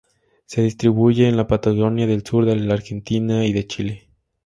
Se distribuye en la Patagonia del sur de la Argentina y de Chile.